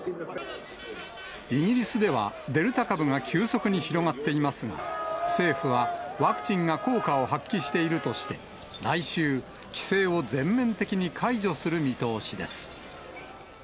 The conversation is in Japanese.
イギリスでは、デルタ株が急速に広がっていますが、政府はワクチンが効果を発揮しているとして、来週、規制を全面的に解除する見通しです。